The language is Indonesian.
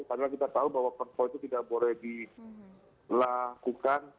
padahal kita tahu bahwa perpu itu tidak boleh dilakukan